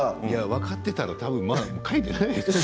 分かっていたら書いていないでしょう